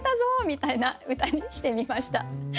みたいな歌にしてみました。